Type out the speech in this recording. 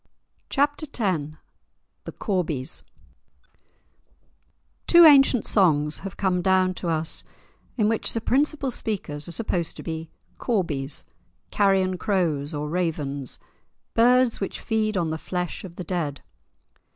*Chapter X* *The Corbies* Two ancient songs have come down to us in which the principal speakers are supposed to be Corbies, carrion crows or ravens, birds which feed on the flesh of the dead.